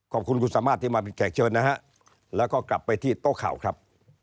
ขอบคุณคุณสามารถที่มาเป็นแขกเชิญนะฮะแล้วก็กลับไปที่โต๊ะข่าวครับ